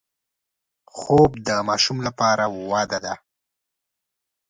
خوب د ماشوم لپاره وده ده